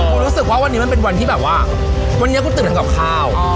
รู้สึกว่าวันนี้มันเป็นวันที่แบบว่าวันนี้กูตื่นทำกับข้าว